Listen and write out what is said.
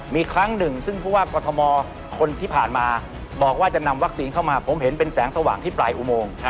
มีครั้งหนึ่งซึ่งผู้ว่ากรทมคนที่ผ่านมาบอกว่าจะนำวัคซีนเข้ามาผมเห็นเป็นแสงสว่างที่ปลายอุโมง